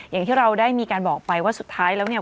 อย่างที่เราได้มีการบอกไปว่าสุดท้ายแล้วเนี่ย